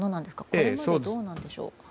これまでどうなんでしょう。